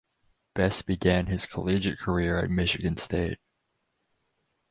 Bess began his collegiate career at Michigan State.